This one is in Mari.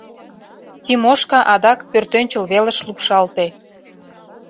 Тимошка адак пӧртӧнчыл велыш лупшалте.